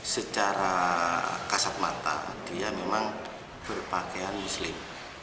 secara kasat mata dia memang berpakaian muslim